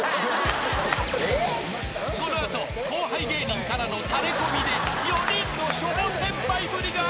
［この後後輩芸人からのタレコミで４人のしょぼ先輩ぶりが明らかに］